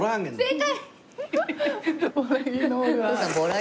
正解！